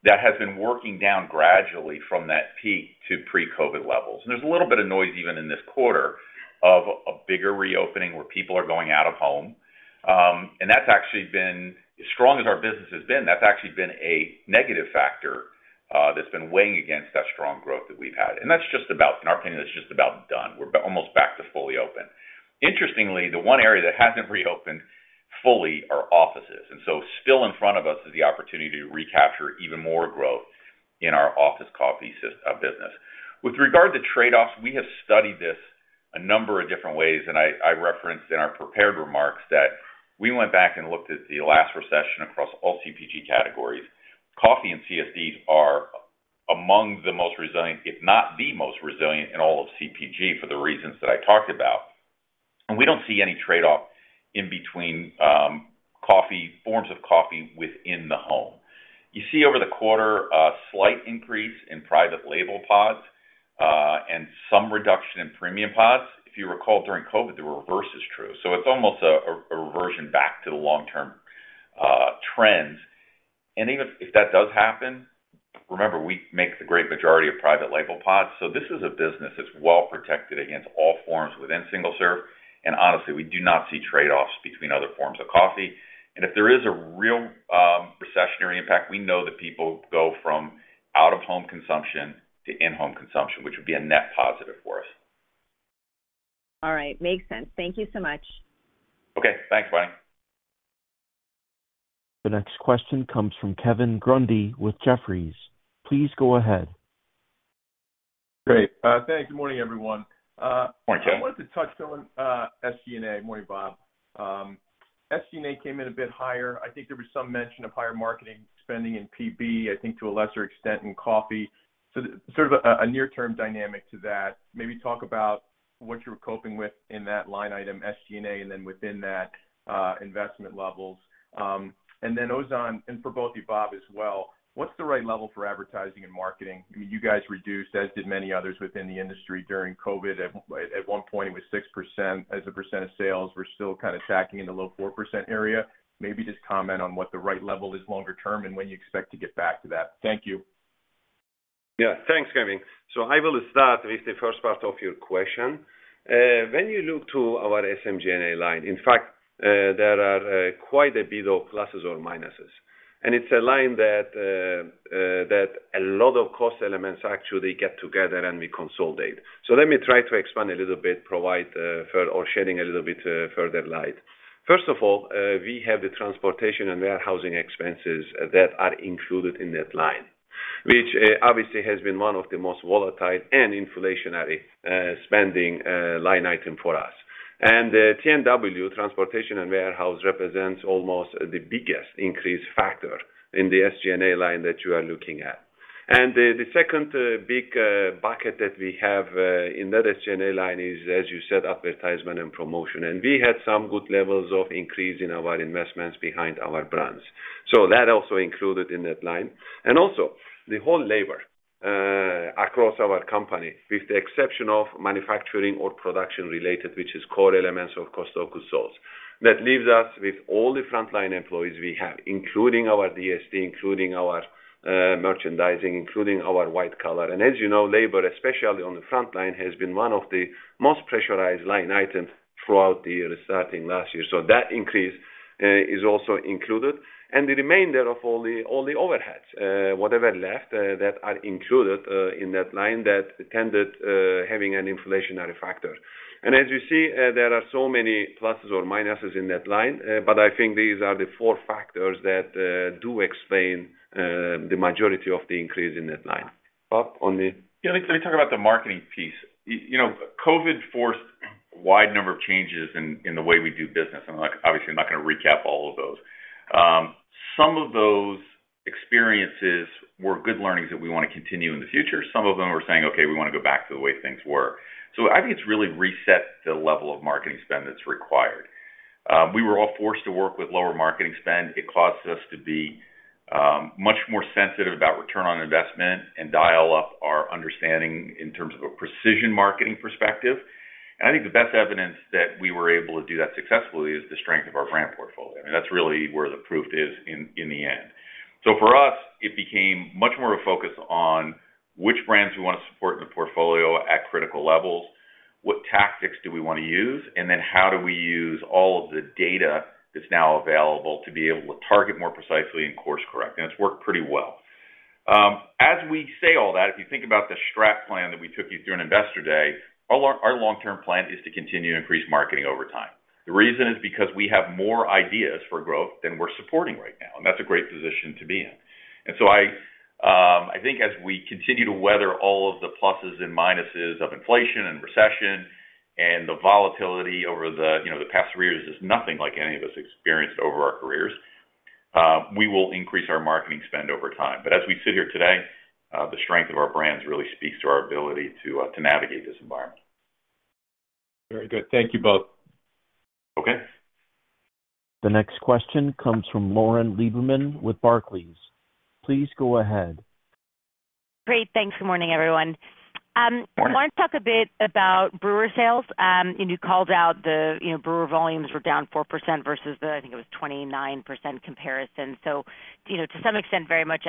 that has been working down gradually from that peak to pre-COVID levels. There's a little bit of noise even in this quarter of a bigger reopening where people are going out of home. That's actually been, as strong as our business has been, that's actually been a negative factor that's been weighing against that strong growth that we've had. That's just about, in our opinion, that's just about done. We're almost back to fully open. Interestingly, the one area that hasn't reopened fully are offices. Still in front of us is the opportunity to recapture even more growth in our office coffee business. With regard to trade-offs, we have studied this a number of different ways, and I referenced in our prepared remarks that we went back and looked at the last recession across all CPG categories. Coffee and CSDs are among the most resilient, if not the most resilient, in all of CPG for the reasons that I talked about. We don't see any trade-off in between coffee forms of coffee within the home. You see over the quarter a slight increase in private label pods and some reduction in premium pods. If you recall, during COVID, the reverse is true. It's almost a reversion back to the long-term trends. Even if that does happen, remember, we make the great majority of private label pods. This is a business that's well protected against all forms within single serve. Honestly, we do not see trade-offs between other forms of coffee. If there is a real recessionary impact, we know that people go from out-of-home consumption to in-home consumption, which would be a net positive for us. All right. Makes sense. Thank you so much. Okay. Thanks, Bonnie. The next question comes from Kevin Grundy with Jefferies. Please go ahead. Great. Thanks. Good morning, everyone. Morning, Kevin. I wanted to touch on SG&A. Morning, Bob. SG&A came in a bit higher. I think there was some mention of higher marketing spending in PB, I think to a lesser extent in coffee. Sort of a near-term dynamic to that. Maybe talk about what you're coping with in that line item, SG&A, and then within that, investment levels. Ozan, and for both of you, Bob, as well, what's the right level for advertising and marketing? You guys reduced, as did many others within the industry during COVID. At one point it was 6%. As a percent of sales, we're still kind of tracking in the low 4% area. Maybe just comment on what the right level is longer term and when you expect to get back to that. Thank you. Yeah. Thanks, Kevin. I will start with the first part of your question. When you look to our SG&A line, in fact, there are quite a bit of pluses or minuses. It's a line that a lot of cost elements actually get together, and we consolidate. Let me try to expand a little bit, provide further light. First of all, we have the transportation and warehousing expenses that are included in that line, which obviously has been one of the most volatile and inflationary spending line item for us. T&W, transportation and warehousing, represents almost the biggest increase factor in the SG&A line that you are looking at. The second big bucket that we have in that SG&A line is, as you said, advertisement and promotion. We had some good levels of increase in our investments behind our brands. That also included in that line. Also, the whole labor across our company, with the exception of manufacturing or production-related, which is core elements of cost of goods sold. That leaves us with all the frontline employees we have, including our DSD, including our merchandising, including our white collar. As you know, labor, especially on the frontline, has been one of the most pressurized line items throughout the year, starting last year. That increase is also included. The remainder of all the overheads, whatever left, that are included in that line that tend to have an inflationary factor. As you see, there are so many pluses or minuses in that line, but I think these are the four factors that do explain the majority of the increase in that line. Bob, on the Yeah, let me talk about the marketing piece. You know, COVID forced a wide number of changes in the way we do business, and obviously I'm not gonna recap all of those. Some of those experiences were good learnings that we wanna continue in the future. Some of them we're saying, "Okay, we wanna go back to the way things were." I think it's really reset the level of marketing spend that's required. We were all forced to work with lower marketing spend. It caused us to be much more sensitive about return on investment and dial up our understanding in terms of a precision marketing perspective. I think the best evidence that we were able to do that successfully is the strength of our brand portfolio, and that's really where the proof is in the end. For us, it became much more a focus on which brands we wanna support in the portfolio at critical levels, what tactics do we wanna use, and then how do we use all of the data that's now available to be able to target more precisely and course correct. It's worked pretty well. As we say all that, if you think about the strat plan that we took you through on Investor Day, our long-term plan is to continue to increase marketing over time. The reason is because we have more ideas for growth than we're supporting right now, and that's a great position to be in. I think as we continue to weather all of the pluses and minuses of inflation and recession and the volatility over the, you know, the past three years is nothing like any of us experienced over our careers. We will increase our marketing spend over time. As we sit here today, the strength of our brands really speaks to our ability to navigate this environment. Very good. Thank you both. Okay. The next question comes from Lauren Lieberman with Barclays. Please go ahead. Great. Thanks. Good morning, everyone. Morning. I want to talk a bit about brewer sales. You called out the, you know, brewer volumes were down 4% versus the, I think it was 29% comparison. You know, to some extent, very much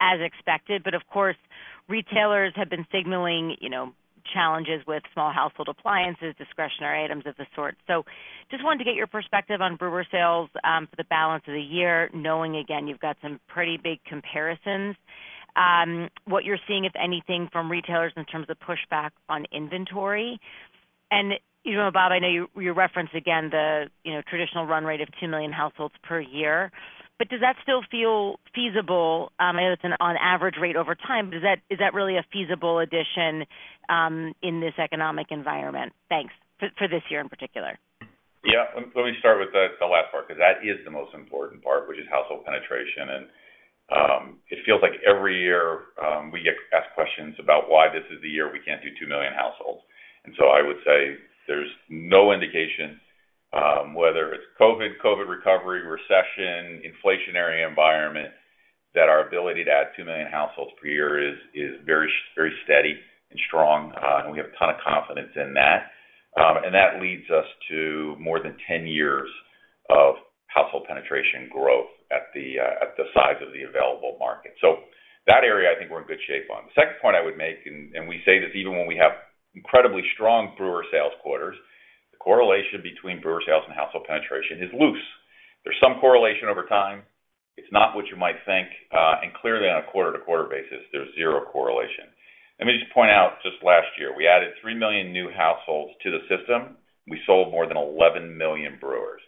as expected. Of course, retailers have been signaling, you know, challenges with small household appliances, discretionary items of the sort. Just wanted to get your perspective on brewer sales for the balance of the year, knowing, again, you've got some pretty big comparisons. What you're seeing, if anything, from retailers in terms of pushback on inventory. You know, Bob, I know you referenced again the, you know, traditional run rate of 2 million households per year, but does that still feel feasible? I know that's an average rate over time, but is that really a feasible addition in this economic environment? Thanks. For this year in particular. Yeah. Let me start with the last part, 'cause that is the most important part, which is household penetration. It feels like every year we get asked questions about why this is the year we can't do 2 million households. I would say there's no indication whether it's COVID recovery, recession, inflationary environment, that our ability to add 2 million households per year is very steady and strong. We have a ton of confidence in that. That leads us to more than 10 years of household penetration growth at the size of the available market. That area, I think we're in good shape on. The second point I would make, and we say this even when we have incredibly strong brewer sales quarters, the correlation between brewer sales and household penetration is loose. There's some correlation over time. It's not what you might think. Clearly on a quarter-to-quarter basis, there's zero correlation. Let me just point out just last year, we added 3 million new households to the system. We sold more than 11 million brewers.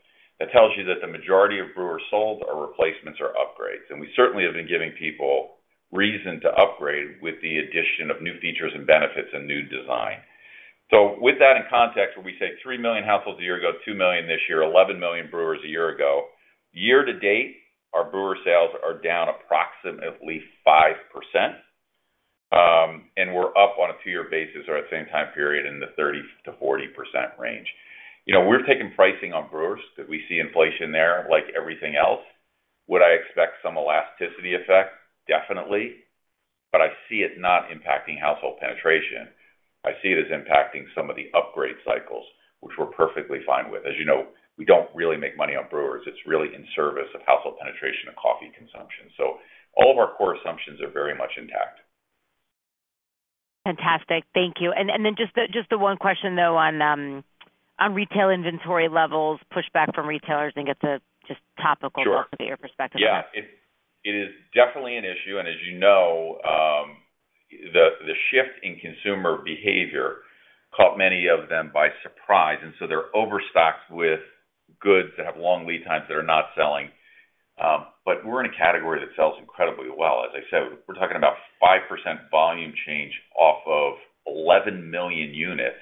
That tells you that the majority of brewers sold are replacements or upgrades. We certainly have been giving people reason to upgrade with the addition of new features and benefits and new design. With that in context, when we say 3 million households a year ago, 2 million this year, 11 million brewers a year ago. Year to date, our brewer sales are down approximately 5%. We're up on a two-year basis or at the same time period in the 30% to 40% range. You know, we're taking pricing on brewers that we see inflation there like everything else. Would I expect some elasticity effect? Definitely. I see it not impacting household penetration. I see it as impacting some of the upgrade cycles, which we're perfectly fine with. As you know, we don't really make money on brewers. It's really in service of household penetration and coffee consumption. All of our core assumptions are very much intact. Fantastic. Thank you. Then just the one question, though, on retail inventory levels, pushback from retailers and get the just topical to get your perspective on that. Yeah. It is definitely an issue. As you know, the shift in consumer behavior caught many of them by surprise, and so they're overstocked with goods that have long lead times that are not selling. We're in a category that sells incredibly well. As I said, we're talking about 5% volume change off of 11 million units.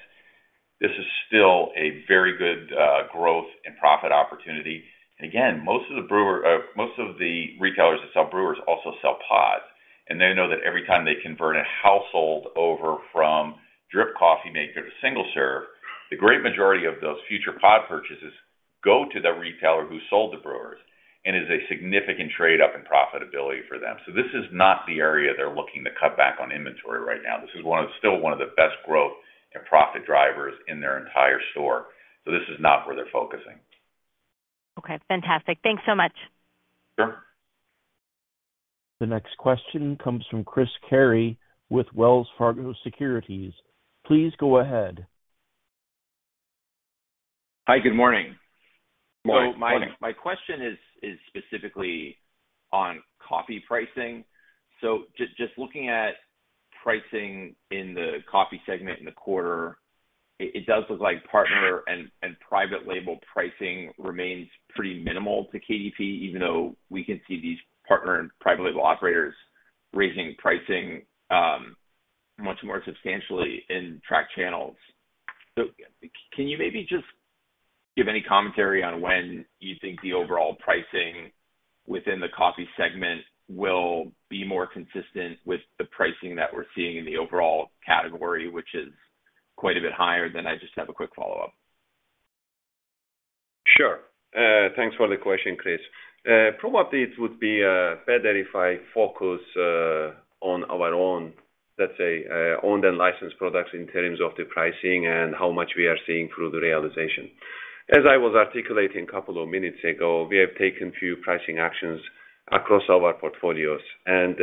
This is still a very good growth and profit opportunity. Again, most of the retailers that sell brewers also sell pods. They know that every time they convert a household over from drip coffee maker to single serve, the great majority of those future pod purchases go to the retailer who sold the brewers and is a significant trade up in profitability for them. This is not the area they're looking to cut back on inventory right now. This is still one of the best growth and profit drivers in their entire store. This is not where they're focusing. Okay, fantastic. Thanks so much. Sure. The next question comes from Chris Carey with Wells Fargo Securities. Please go ahead. Hi. Good morning. Morning. My question is specifically on coffee pricing. Just looking at pricing in the coffee segment in the quarter, it does look like partner and private label pricing remains pretty minimal to KDP, even though we can see these partner and private label operators raising pricing much more substantially in track channels. Can you maybe just give any commentary on when you think the overall pricing within the coffee segment will be more consistent with the pricing that we're seeing in the overall category, which is quite a bit higher? I just have a quick follow-up. Sure. Thanks for the question, Chris. Probably it would be better if I focus on our own, let's say, owned and licensed products in terms of the pricing and how much we are seeing through the realization. As I was articulating a couple of minutes ago, we have taken few pricing actions across our portfolios and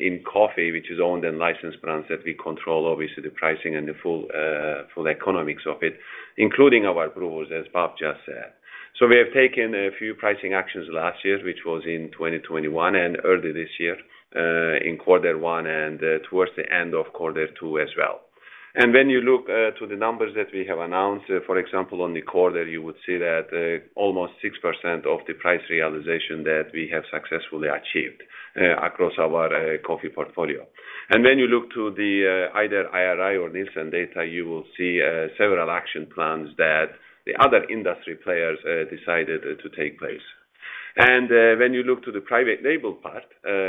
in coffee, which is owned and licensed brands that we control, obviously, the pricing and the full economics of it, including our brewers, as Bob just said. We have taken a few pricing actions last year, which was in 2021 and early this year, in quarter one and towards the end of quarter two as well. When you look to the numbers that we have announced, for example, on the quarter, you would see that almost 6% of the price realization that we have successfully achieved across our coffee portfolio. When you look to the either IRI or Nielsen data, you will see several action plans that the other industry players decided to take place. When you look to the private label part,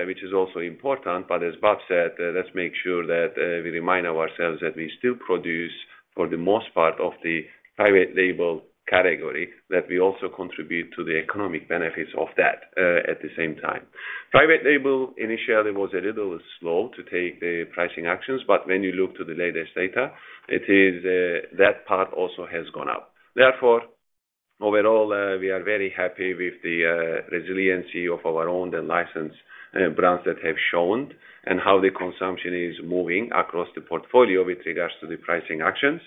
which is also important, but as Bob said, let's make sure that we remind ourselves that we still produce for the most part of the private label category, that we also contribute to the economic benefits of that at the same time. Private label initially was a little slow to take the pricing actions, but when you look to the latest data, it is that part also has gone up. Therefore, overall, we are very happy with the resiliency of our owned and licensed brands that have shown and how the consumption is moving across the portfolio with regards to the pricing actions.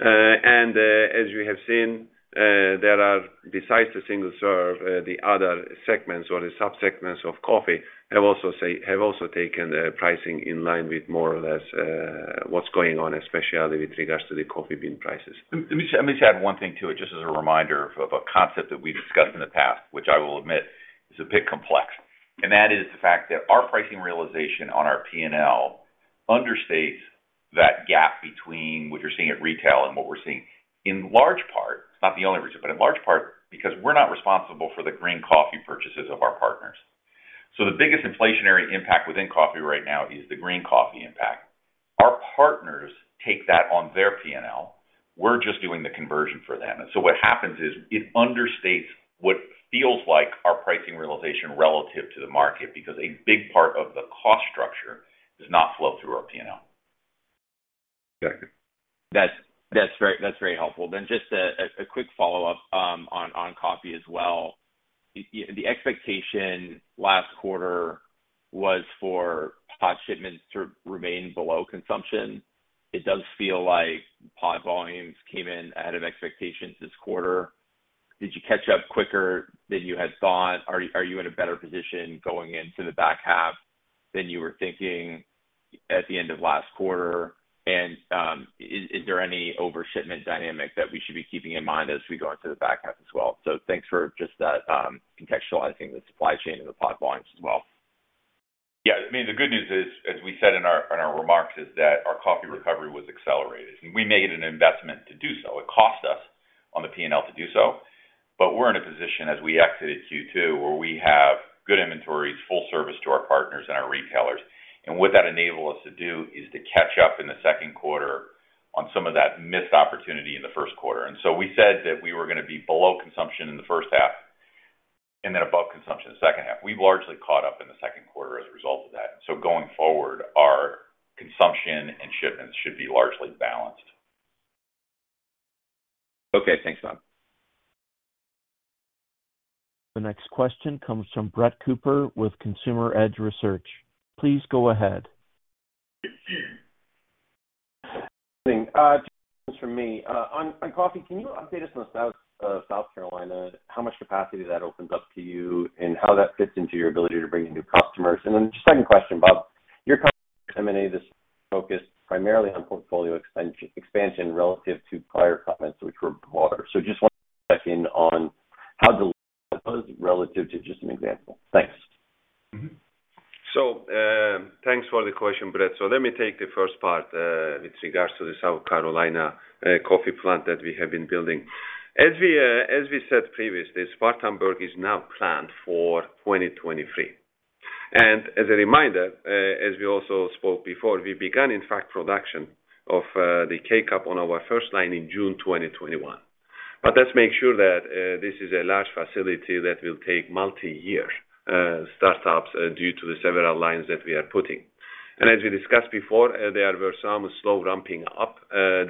As you have seen, there are, besides the single serve, the other segments or the sub-segments of coffee have also taken pricing in line with more or less what's going on, especially with regards to the coffee bean prices. Let me just add one thing to it, just as a reminder of a concept that we've discussed in the past, which I will admit is a bit complex, and that is the fact that our pricing realization on our P&L understates that gap between what you're seeing at retail and what we're seeing. In large part, it's not the only reason, but in large part because we're not responsible for the green coffee purchases of our partners. The biggest inflationary impact within coffee right now is the green coffee impact. Our partners take that on their P&L. We're just doing the conversion for them. What happens is it understates what feels like our pricing realization relative to the market, because a big part of the cost structure does not flow through our P&L. Got it. That's very helpful. Just a quick follow-up on coffee as well. Yeah, the expectation last quarter was for pod shipments to remain below consumption. It does feel like pod volumes came in ahead of expectations this quarter. Did you catch up quicker than you had thought? Are you in a better position going into the back half than you were thinking at the end of last quarter? Is there any overshipment dynamic that we should be keeping in mind as we go into the back half as well? Thanks for just that contextualizing the supply chain and the pod volumes as well. Yeah, I mean, the good news is, as we said in our remarks, is that our coffee recovery was accelerated, and we made an investment to do so. It cost us on the P&L to do so. We're in a position as we exited Q2, where we have good inventories, full service to our partners and our retailers. What that enables us to do is to catch up in the second quarter on some of that missed opportunity in the first quarter. We said that we were gonna be below consumption in the first half and then above consumption in the second half. We've largely caught up in the second quarter as a result of that. Going forward, our consumption and shipments should be largely balanced. Okay, thanks, Bob. The next question comes from Brett Cooper with Consumer Edge Research. Please go ahead. Two questions from me. On coffee, can you update us on the status of South Carolina, how much capacity that opens up to you, and how that fits into your ability to bring in new customers? Then second question, Bob, your comments on M&A. This focus primarily on portfolio expansion relative to prior comments, which were broader. Just wanted to check in on how deliberate that was relative to just an example. Thanks. Thanks for the question, Brett. Let me take the first part, with regards to the South Carolina coffee plant that we have been building. As we said previously, Spartanburg is now planned for 2023. As a reminder, as we also spoke before, we began, in fact, production of the K-Cup on our first line in June 2021. Let's make sure that this is a large facility that will take multiyear startups due to the several lines that we are putting. As we discussed before, there were some slow ramping up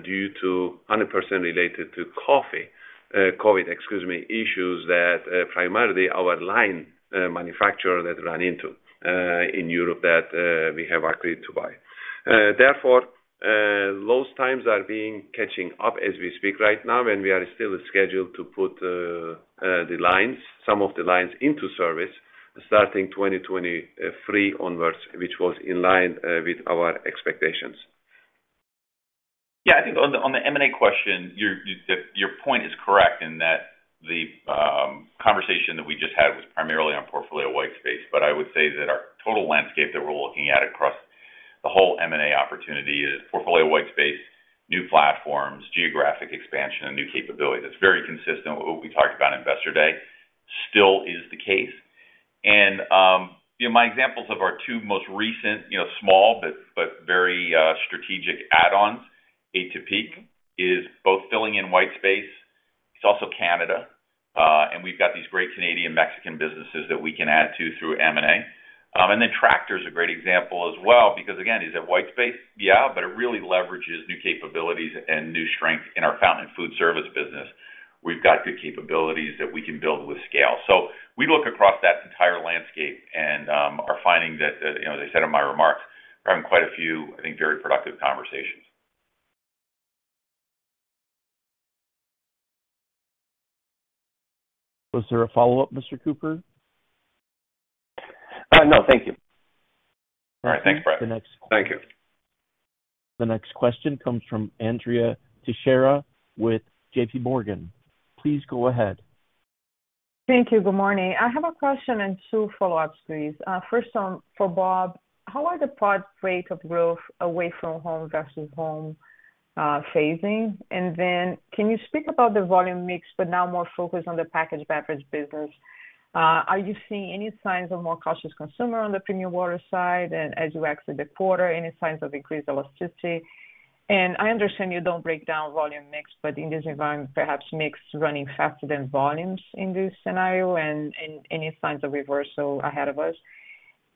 due to 100% related to COVID, excuse me, issues that primarily our line manufacturer ran into in Europe that we have agreed to buy. Therefore, those timelines are beginning to catch up as we speak right now, and we are still scheduled to put some of the lines into service starting 2023 onwards, which was in line with our expectations. Yeah, I think on the M&A question, your point is correct in that the conversation that we just had was primarily on portfolio-wide space. I would say that our total landscape that we're looking at across the whole M&A opportunity is portfolio-wide space, new platforms, geographic expansion, and new capability. That's very consistent with what we talked about Investor Day. Still is the case. You know, my examples of our two most recent, you know, small but very strategic add-ons, Atypique, is both filling in white space. It's also Canada. We've got these great Canadian-Mexican businesses that we can add to through M&A. Then Tractor is a great example as well because again, is it white space? Yeah, but it really leverages new capabilities and new strength in our Fountain Foodservice business. We've got good capabilities that we can build with scale. We look across that entire landscape and are finding that, you know, as I said in my remarks, having quite a few, I think, very productive conversations. Was there a follow-up, Mr. Cooper? No, thank you. All right. Thanks, Brett. Thank you. The next question comes from Andrea Teixeira with JPMorgan. Please go ahead. Thank you. Good morning. I have a question and two follow-ups, please. First one for Bob, how are the pod rate of growth away from home versus home phasing? Then can you speak about the volume mix, but now more focused on the packaged beverage business? Are you seeing any signs of more cautious consumer on the premium water side? As you exit the quarter, any signs of increased elasticity? I understand you don't break down volume mix, but in this environment, perhaps mix running faster than volumes in this scenario and any signs of reversal ahead of us.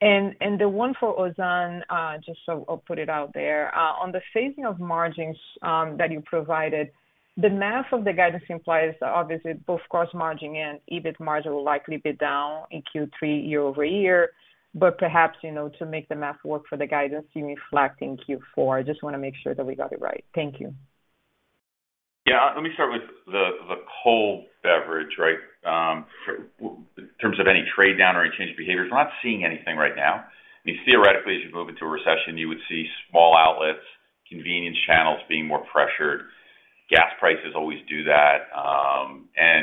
The one for Ozan, just so I'll put it out there. On the phasing of margins, that you provided, the math of the guidance implies obviously both gross margin and EBIT margin will likely be down in Q3 year-over-year. Perhaps, you know, to make the math work for the guidance you reflect in Q4. I just wanna make sure that we got it right. Thank you. Yeah. Let me start with the cold beverage, right? In terms of any trade down or any change in behaviors, we're not seeing anything right now. I mean, theoretically, as you move into a recession, you would see small outlets, convenience channels being more pressured. Gas prices always do that.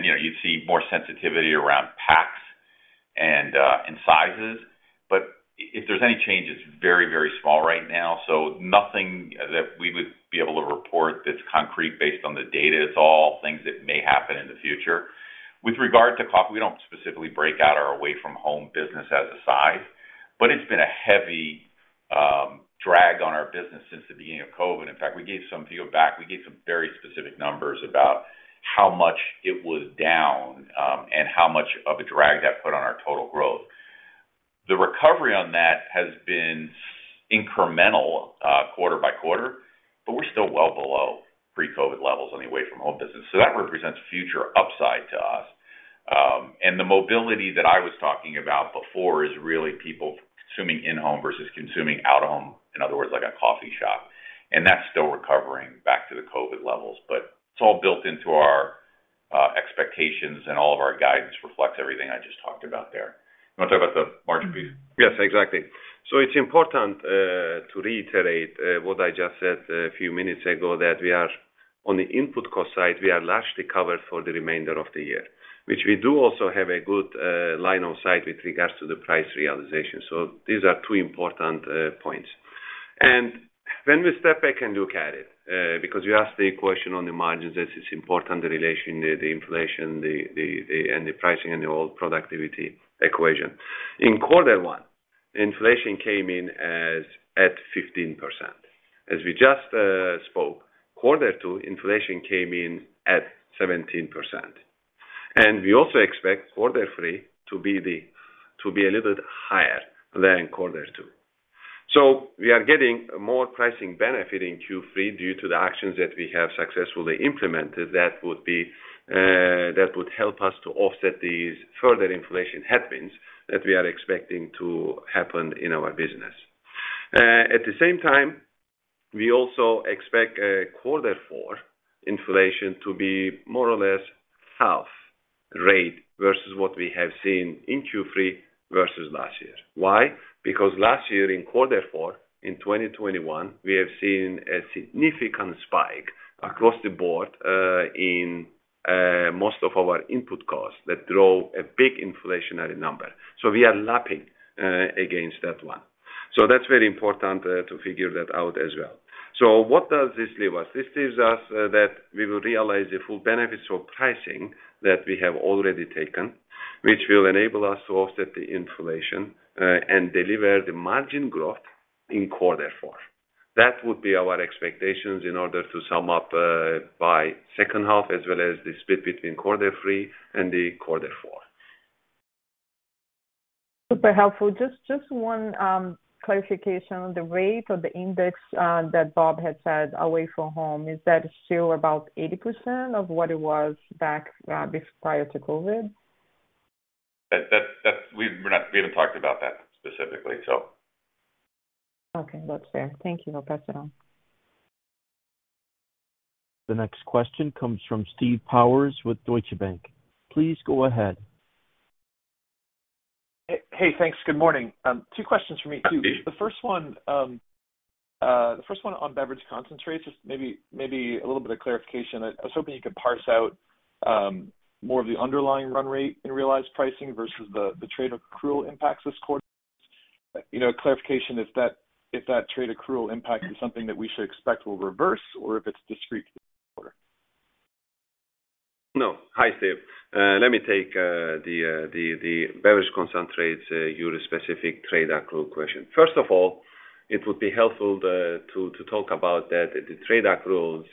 You know, you'd see more sensitivity around packs and sizes. If there's any change, it's very, very small right now, so nothing that we would be able to report that's concrete based on the data. It's all things that may happen in the future. With regard to coffee, we don't specifically break out our away from home business as a size, but it's been a heavy drag on our business since the beginning of COVID. In fact, if you go back, we gave some very specific numbers about how much it was down, and how much of a drag that put on our total growth. The recovery on that has been incremental, quarter by quarter, but we're still well below pre-COVID levels on the away from home business. That represents future upside to us. The mobility that I was talking about before is really people consuming in-home versus consuming out-of-home, in other words, like a coffee shop, and that's still recovering back to the COVID levels. It's all built into our expectations, and all of our guidance reflects everything I just talked about there. You wanna talk about the margin piece? Yes, exactly. It's important to reiterate what I just said a few minutes ago, that we are on the input cost side, we are largely covered for the remainder of the year, which we do also have a good line of sight with regards to the price realization. These are two important points. When we step back and look at it, because you asked the question on the margins, this is important, the relation and the pricing and the overall productivity equation. In quarter one, inflation came in at 15%. As we just spoke, quarter two inflation came in at 17%. We also expect quarter three to be a little bit higher than quarter two. We are getting more pricing benefit in Q3 due to the actions that we have successfully implemented that would help us to offset these further inflation headwinds that we are expecting to happen in our business. At the same time, we also expect quarter four inflation to be more or less half rate versus what we have seen in Q3 versus last year. Why? Because last year in quarter four, in 2021, we have seen a significant spike across the board in most of our input costs that drove a big inflationary number. We are lapping against that one. That's very important to figure that out as well. What does this leave us? This leaves us that we will realize the full benefits of pricing that we have already taken, which will enable us to offset the inflation and deliver the margin growth in quarter four. That would be our expectations. In order to sum up, by second half as well as the split between quarter three and the quarter four. Super helpful. Just one clarification. The rate or the index that Bob had said away from home, is that still about 80% of what it was back this prior to COVID? That's. We haven't talked about that specifically so. Okay. That's fair. Thank you. I'll pass it on. The next question comes from Steve Powers with Deutsche Bank. Please go ahead. Hey. Hey, thanks. Good morning. Two questions from me too. The first one on beverage concentrates. Just maybe a little bit of clarification. I was hoping you could parse out more of the underlying run rate in realized pricing versus the trade accrual impacts this quarter. You know, clarification if that trade accrual impact is something that we should expect will reverse or if it's discrete quarter? No. Hi, Steve. Let me take the beverage concentrates your specific trade accrual question. First of all, it would be helpful to talk about that the trade accruals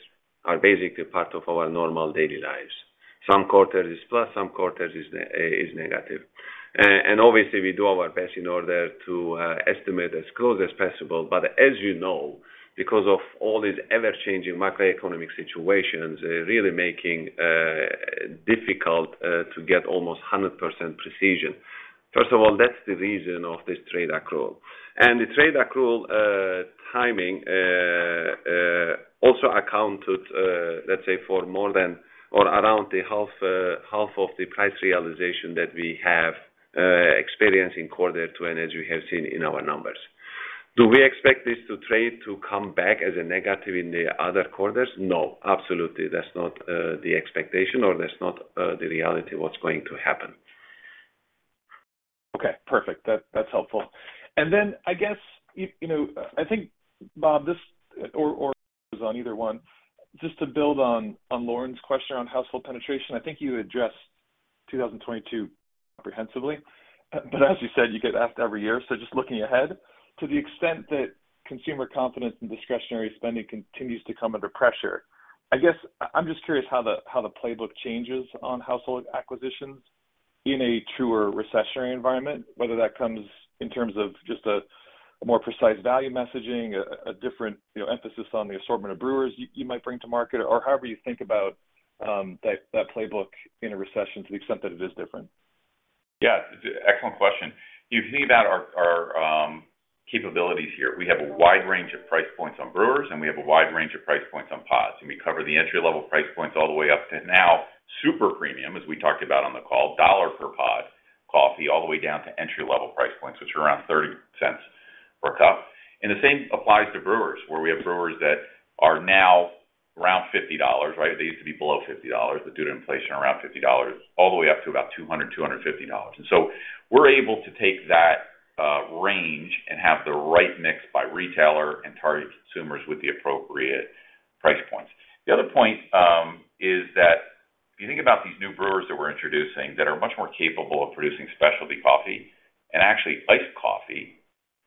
are basically part of our normal daily lives. Some quarters is plus, some quarters is negative. Obviously we do our best in order to estimate as close as possible. As you know, because of all these ever-changing macroeconomic situations, really making difficult to get almost 100% precision. First of all, that's the reason of this trade accrual. The trade accrual timing also accounted, let's say, for more than or around the half of the price realization that we have experienced in quarter two, and as you have seen in our numbers. Do we expect this to trade to come back as a negative in the other quarters? No, absolutely that's not the expectation or that's not the reality of what's going to happen. Okay, perfect. That's helpful. Then I guess, you know, I think, Bob, this or on either one, just to build on Lauren's question around household penetration. I think you addressed 2022 comprehensively, but as you said, you get asked every year. Just looking ahead, to the extent that consumer confidence and discretionary spending continues to come under pressure, I guess I'm just curious how the playbook changes on household acquisitions in a truer recessionary environment, whether that comes in terms of just a more precise value messaging, a different, you know, emphasis on the assortment of brewers you might bring to market or however you think about that playbook in a recession to the extent that it is different. Yeah, excellent question. You think about our capabilities here. We have a wide range of price points on brewers, and we have a wide range of price points on pods. We cover the entry-level price points all the way up to now super premium, as we talked about on the call, $1 per pod coffee, all the way down to entry-level price points, which are around $0.30 per cup. The same applies to brewers, where we have brewers that are now around $50, right? They used to be below $50, but due to inflation, around $50 all the way up to about $200-$250. We're able to take that range and have the right mix by retailer and target consumers with the appropriate price points. The other point is that if you think about these new brewers that we're introducing that are much more capable of producing specialty coffee and actually iced coffee,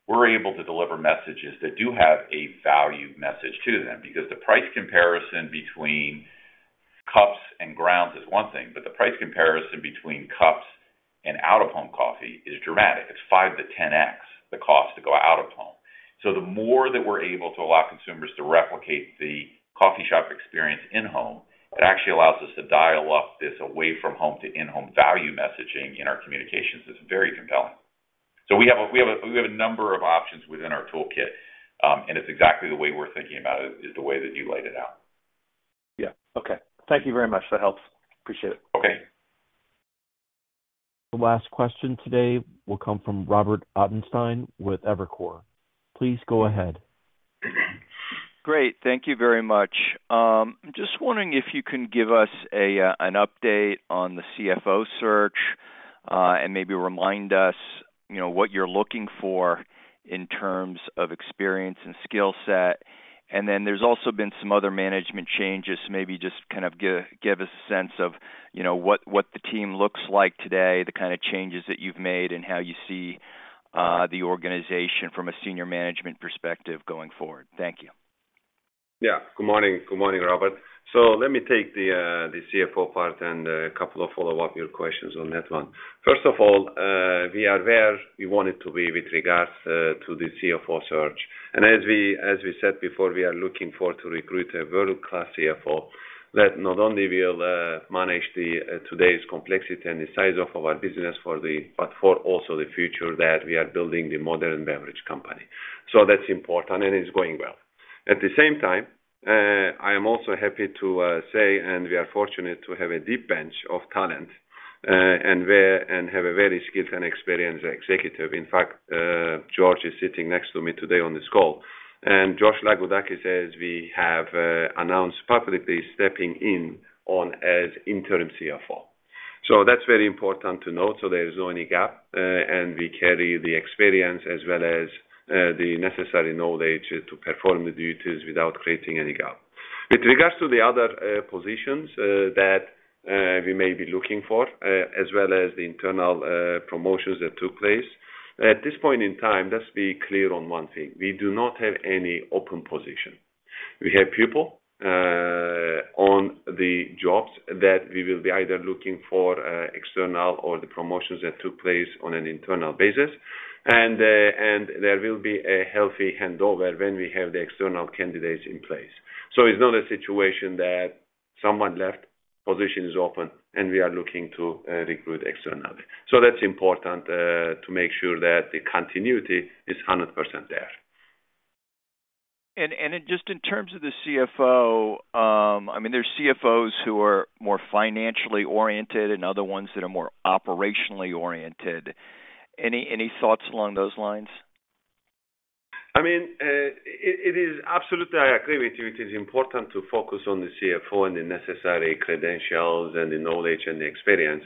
we're able to deliver messages that do have a value message to them. Because the price comparison between cups and grounds is one thing, but the price comparison between cups and out-of-home coffee is dramatic. It's 5x to 10x the cost to go out of home. The more that we're able to allow consumers to replicate the coffee shop experience in-home, it actually allows us to dial up this away from home to in-home value messaging in our communications is very compelling. We have a number of options within our toolkit, and it's exactly the way we're thinking about it, is the way that you laid it out. Yeah. Okay. Thank you very much. That helps. Appreciate it. Okay. The last question today will come from Robert Ottenstein with Evercore. Please go ahead. Great. Thank you very much. Just wondering if you can give us an update on the CFO search, and maybe remind us, you know, what you're looking for in terms of experience and skill set. Then there's also been some other management changes, maybe just kind of give a sense of, you know, what the team looks like today, the kind of changes that you've made and how you see the organization from a senior management perspective going forward. Thank you. Yeah, good morning. Good morning, Robert. Let me take the CFO part and a couple of follow-up your questions on that one. First of all, we are where we wanted to be with regards to the CFO search. As we said before, we are looking for to recruit a world-class CFO that not only will manage today's complexity and the size of our business but also for the future that we are building the modern beverage company. That's important, and it's going well. At the same time, I am also happy to say, and we are fortunate to have a deep bench of talent and have a very skilled and experienced executive. In fact, George is sitting next to me today on this call. George Lagoudakis, as we have announced publicly, is stepping in as Interim CFO. That's very important to note, so there's no any gap, and we carry the experience as well as the necessary knowledge to perform the duties without creating any gap. With regards to the other positions that we may be looking for, as well as the internal promotions that took place, at this point in time, let's be clear on one thing. We do not have any open position. We have people on the jobs that we will be either looking for external or the promotions that took place on an internal basis. There will be a healthy handover when we have the external candidates in place. It's not a situation that someone left, position is open, and we are looking to recruit externally. That's important to make sure that the continuity is 100% there. Just in terms of the CFO, I mean, there's CFOs who are more financially oriented and other ones that are more operationally oriented. Any thoughts along those lines? I mean, it is absolutely. I agree with you. It is important to focus on the CFO and the necessary credentials and the knowledge and the experience.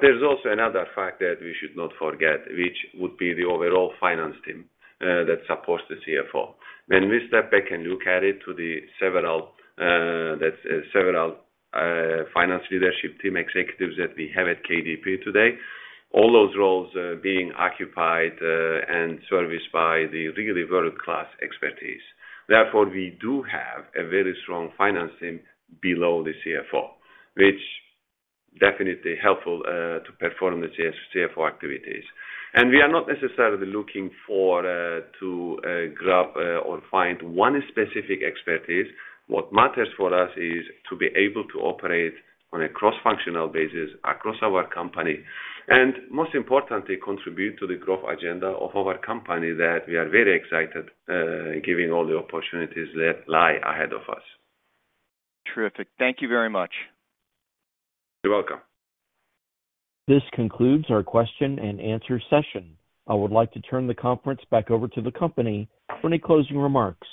There's also another fact that we should not forget, which would be the overall finance team that supports the CFO. When we step back and look at the several finance leadership team executives that we have at KDP today, all those roles being occupied and serviced by the really world-class expertise. Therefore, we do have a very strong finance team below the CFO, which definitely helpful to perform the CFO activities. We are not necessarily looking to grab or find one specific expertise. What matters for us is to be able to operate on a cross-functional basis across our company, and most importantly, contribute to the growth agenda of our company that we are very excited, giving all the opportunities that lie ahead of us. Terrific. Thank you very much. You're welcome. This concludes our question and answer session. I would like to turn the conference back over to the company for any closing remarks.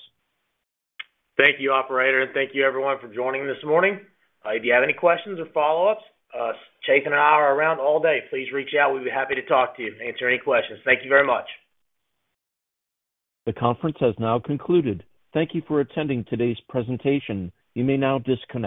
Thank you, operator. Thank you everyone for joining this morning. If you have any questions or follow-ups, Chethan and I are around all day. Please reach out. We'd be happy to talk to you, answer any questions. Thank you very much. The conference has now concluded. Thank you for attending today's presentation. You may now disconnect.